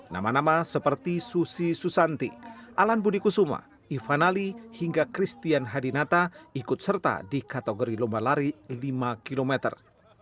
nama nama seperti susi susanti alan budi kusuma ivanali hingga christian hadinata ikut serta di kategori lomba lari lima kilometer